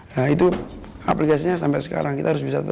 nah itu aplikasinya sampai sekarang kita harus tetap berpikir